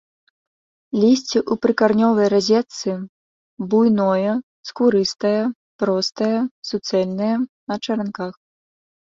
Лісце ў прыкаранёвай разетцы, буйное, скурыстае, простае, суцэльнае, на чаранках.